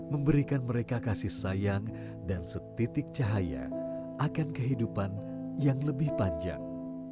memberikan mereka kasih sayang dan setitik cahaya akan kehidupan yang lebih panjang